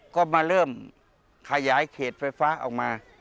ก็มาเริ่มขยายเขตไฟฟ้าออกมา